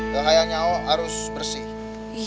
gak kayaknya aku harus bersih